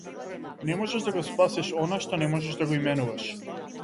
Не можеш да го спасиш она што не можеш да го именуваш.